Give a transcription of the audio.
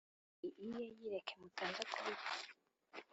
ni iye yireke mutaza kubipfa.